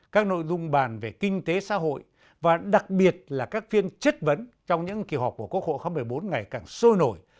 các nội dung bàn về kinh tế xã hội và đặc biệt là các phiên chất vấn trong những kỳ họp của quốc hội khóa một mươi bốn ngày càng sôi nổi